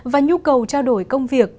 và nhu cầu trao đổi công việc